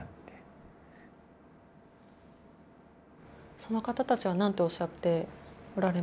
その方たちは何ておっしゃっておられますか？